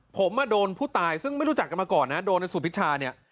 ผมโดนผู้ตายซึ่งไม่รู้จักกันมาก่อนนะโดนในสุพิชาเนี่ย